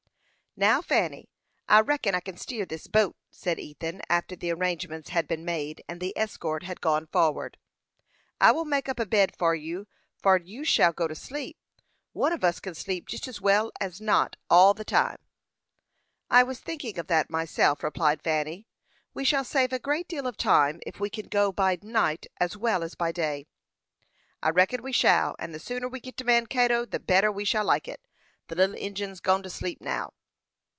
"Now, Fanny, I reckon I kin steer this boat," said Ethan, after the arrangements had been made, and the escort had gone forward. "I will make up a bed for you for'ad, and you shall go to sleep. One on us kin sleep jest as well as not, all the time." "I was thinking of that myself," replied Fanny. "We shall save a great deal of time if we can go by night as well as day." "I reckon we shall; and the sooner we git to Mankato, the better we shall like it. The little Injin's gone to sleep now."